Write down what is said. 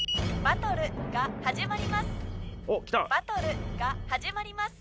バトルが始まります。